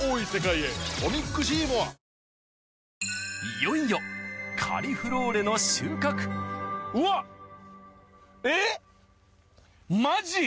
いよいよカリフローレの収穫マジ